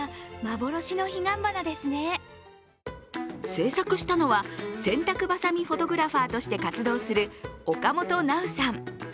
製作したのは、洗濯バサミフォトグラファーとして活動する岡本なうさん。